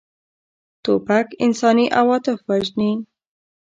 توپک انساني عواطف وژني.